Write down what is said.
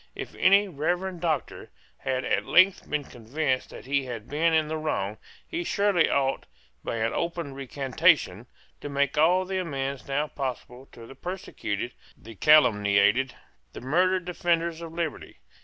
If any Reverend Doctor had at length been convinced that he had been in the wrong, he surely ought, by an open recantation, to make all the amends now possible to the persecuted, the calumniated, the murdered defenders of liberty.